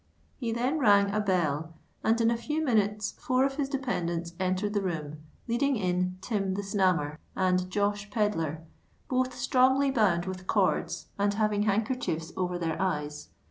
He then rang a bell; and in a few minutes four of his dependants entered the room, leading in Tim the Snammer and Josh Pedler, both strongly bound with cords, and having handkerchiefs over their eyes.